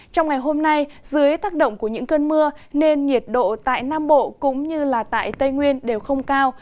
trong ngày hôm nay dưới tác động của những cơn mưa nên nhiệt độ tại nam bộ cũng như là tại tây nguyên đều không cao